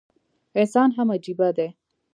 انسان هم عجيبه دی